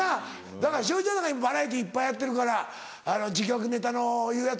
だから栞里ちゃんなんか今バラエティーいっぱいやってるから自虐ネタ言うヤツ